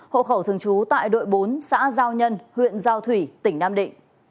hộ khẩu thường trú tại đội bốn xã giao nhân huyện giao thủy tỉnh nam định